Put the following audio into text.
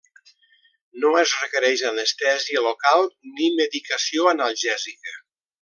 No es requereix anestèsia local ni medicació analgèsica.